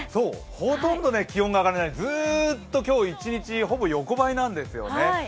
ほとんど気温が上がらない、ずーっと今日一日ほぼ横ばいなんですね。